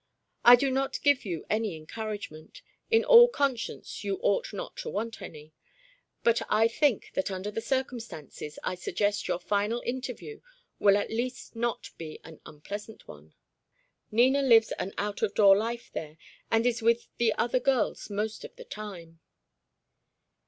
I do not give you any encouragement, in all conscience you ought not to want any; but I think that under the circumstances I suggest your final interview will at least not be an unpleasant one. Nina lives an out of door life there and is with the other girls most of the time."